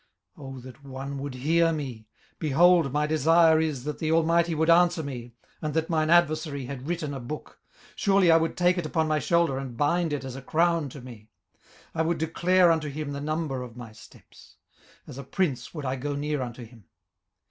18:031:035 Oh that one would hear me! behold, my desire is, that the Almighty would answer me, and that mine adversary had written a book. 18:031:036 Surely I would take it upon my shoulder, and bind it as a crown to me. 18:031:037 I would declare unto him the number of my steps; as a prince would I go near unto him.